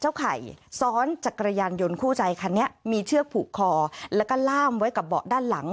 ไข่ซ้อนจักรยานยนต์คู่ใจคันนี้มีเชือกผูกคอแล้วก็ล่ามไว้กับเบาะด้านหลัง